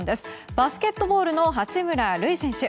バスケットボールの八村塁選手。